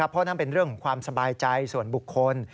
เพราะนั่นเป็นเรื่องของความสบายใจส่วนบุคคล